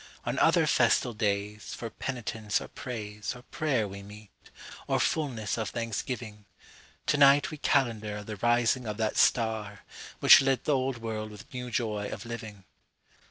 On other festal daysFor penitence or praiseOr prayer we meet, or fullness of thanksgiving; To night we calendarThe rising of that starWhich lit the old world with new joy of living.